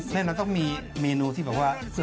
แน่นอนต้องมีเมนูที่บอกว่าสวย